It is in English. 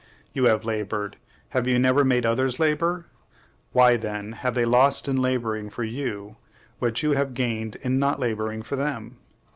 You have labored! have you never made others labor? Why, then, have they lost in laboring for you what you have gained in not laboring for them?